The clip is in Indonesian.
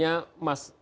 yang demo pak petani